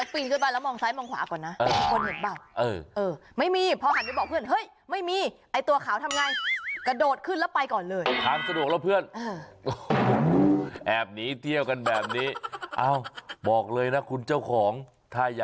พี่เราก็บีนขึ้นไปแล้วมองซ้ายมองขวาก่อนนะ